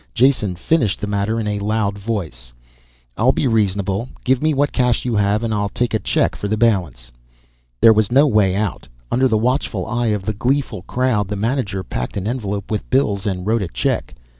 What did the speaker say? Jason finished the matter in a loud voice. "I'll be reasonable, give me what cash you have and I'll take a check for the balance." There was no way out. Under the watchful eye of the gleeful crowd the manager packed an envelope with bills and wrote a check.